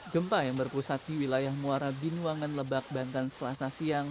gempa yang berpusat di wilayah muara binuangan lebak banten selasa siang